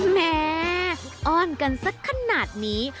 แม่อ้อนกันสักขนาดนี้